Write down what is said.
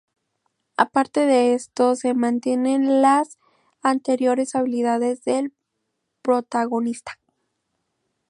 Aparte de todo esto, se mantienen las anteriores habilidades del protagonista.